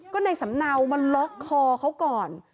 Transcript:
ก็ในสำเนามาล็อกคอเขาก่อน